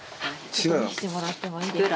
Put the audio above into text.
見せてもらってもいいですか？